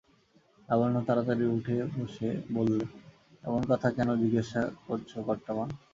লাবণ্য তাড়াতাড়ি উঠে বসে বললে, এমন কথা কেন জিজ্ঞাসা করছ কর্তা-মা।